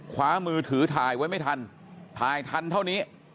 คว้ามือถือถ่ายไว้ไม่ทันถ่ายทันเท่านี้